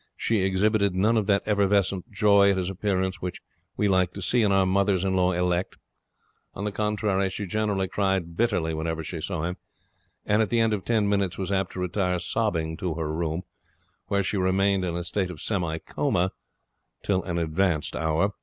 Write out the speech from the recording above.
She exhibited none of that effervescent joy at his appearance which we like to see in our mothers in law elect. On the contrary, she generally cried bitterly whenever she saw him, and at the end of ten minutes was apt to retire sobbing to her room, where she remained in a state of semi coma till an advanced hour.